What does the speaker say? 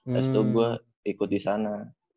terus tuh gue ikut di sana